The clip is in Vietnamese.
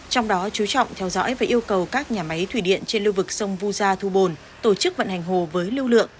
trong đó chú trọng theo dõi và yêu cầu các nhà máy thủy điện trên lưu vực sông vu gia thu bồn tổ chức vận hành hồ với lưu lượng